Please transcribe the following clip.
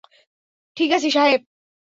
ঠিক আছি, সাহেব।